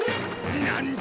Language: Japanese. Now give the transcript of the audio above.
なんだ？